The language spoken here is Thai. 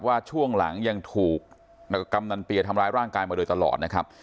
ช่วงหลังยังถูกกำนันเปียทำร้ายร่างกายมาโดยตลอดนะครับ